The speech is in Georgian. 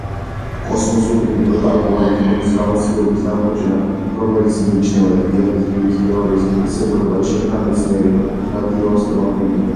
კოსმოსური მიკროტალღოვანი ფონის გამოსხივების აღმოჩენამ, რომელიც მიიჩნევა დიდი აფეთქების თეორიის მტკიცებულებად შექმნა მეცნიერება რადიოასტრონომია.